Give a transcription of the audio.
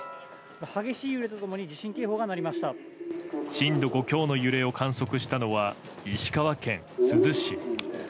震度５強の揺れを観測したのは石川県珠洲市。